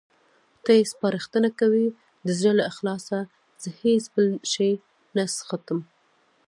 ته یې سپارښتنه کوې؟ د زړه له اخلاصه، زه هېڅ بل شی نه څښم.